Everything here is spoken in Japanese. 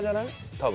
多分。